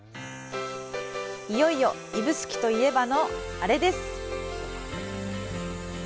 いよいよ指宿といえばの、あれです。